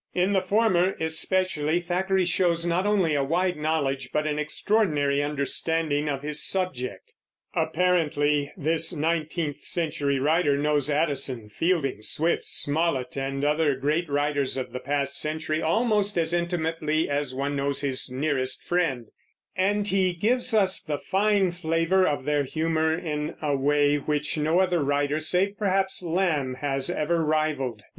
In the former especially, Thackeray shows not only a wide knowledge but an extraordinary understanding of his subject. Apparently this nineteenth century writer knows Addison, Fielding, Swift, Smollett, and other great writers of the past century almost as intimately as one knows his nearest friend; and he gives us the fine flavor of their humor in a way which no other writer, save perhaps Larnb, has ever rivaled.